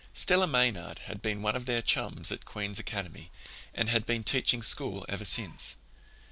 Stella Maynard had been one of their chums at Queen's Academy and had been teaching school ever since.